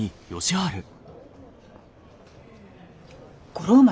五郎丸